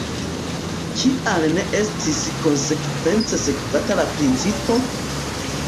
Kial ne estis konsekvence sekvata la principo?